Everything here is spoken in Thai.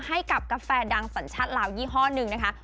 ให้กับกาแฟดังสัญชาติลาวยี่ห้อหนึ่งนะคะ